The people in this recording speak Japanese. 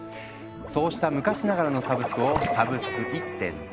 そうした昔ながらのサブスクを「サブスク１．０」。